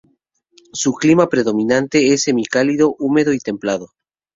Su clima predominante es semicálido, húmedo y templado.